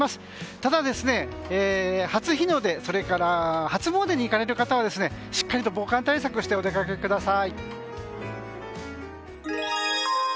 ただ、初日の出それから、初詣に行かれる方はしっかりと防寒対策をしてお出かけください。